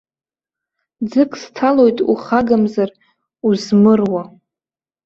Ӡык сҭалоит ухагамзар узмыруа.